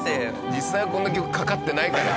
実際はこんな曲かかってないからね。